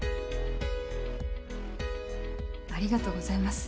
ありがとうございます。